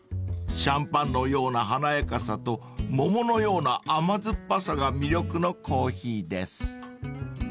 ［シャンパンのような華やかさと桃のような甘酸っぱさが魅力のコーヒーです］